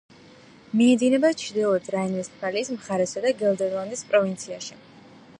მიედინება ჩრდილოეთ რაინ-ვესტფალიის მხარესა და გელდერლანდის პროვინციაში.